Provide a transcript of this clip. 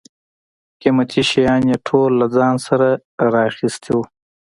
قیمتي شیان یې ټول له ځان سره را اخیستي و.